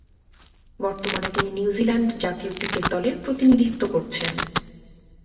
বর্তমানে তিনি নিউজিল্যান্ড জাতীয় ক্রিকেট দলের প্রতিনিধিত্ব করছেন।